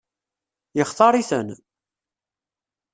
Yextaṛ-iten?